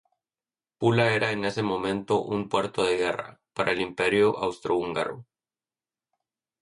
Pula era en ese momento un "puerto de guerra" para el Imperio austrohúngaro.